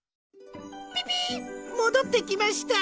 ピピもどってきました。